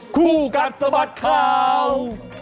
คู่กัดสะบัดข่าว